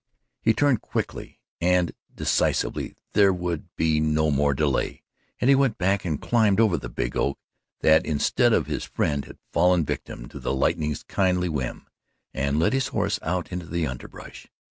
He turned quickly and decisively there would be no more delay. And he went back and climbed over the big oak that, instead of his friend, had fallen victim to the lightning's kindly whim and led his horse out into the underbrush.